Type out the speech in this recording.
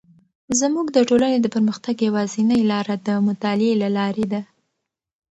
زموږ د ټولنې د پرمختګ یوازینی لاره د مطالعې له لارې ده.